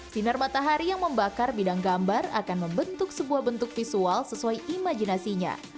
sinar matahari yang membakar bidang gambar akan membentuk sebuah bentuk visual sesuai imajinasinya